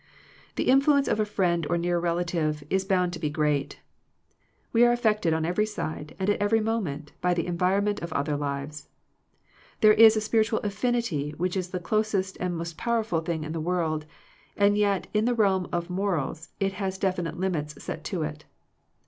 The influence of a friend or near rela tive is bound to be great We are af fected on every side, and at every mo ment, by the environment of other lives. There is a spiritual affinity, which is the closest and most powerful thing in the world, and yet in the realm of morals it has definite limits set to it.